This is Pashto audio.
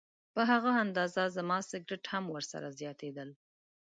په هغه اندازه زما سګرټ هم ورسره زیاتېدل.